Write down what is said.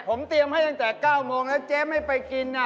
ผมเตรียมให้ตั้งแต่๙โมงแล้วเจ๊ไม่ไปกิน